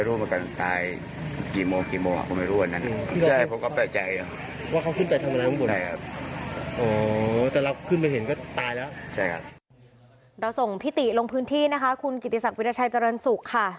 เราส่งพี่ติลงพื้นที่นะคะคุณกิติศักดิราชัยเจริญสุขค่ะ